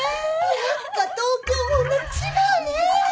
やっぱ東京もんな違うねぇ。